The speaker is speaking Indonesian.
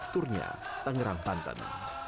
turnya tangerang tanten